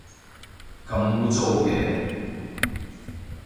咁污糟嘅